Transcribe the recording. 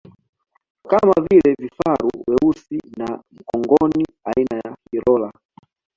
Kama vile vifaru weusi na kongoni aina ya Hirola